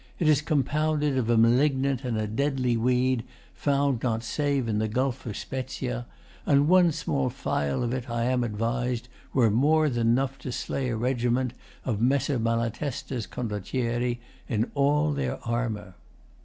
It is compounded Of a malignant and a deadly weed Found not save in the Gulf of Spezia, And one small phial of 't, I am advis'd, Were more than 'nough to slay a regiment Of Messer Malatesta's condottieri In all their armour.